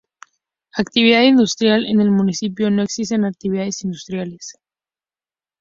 Actividad industrial: En el municipio no existen actividades industriales.